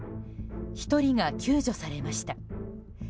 １人が救助されました。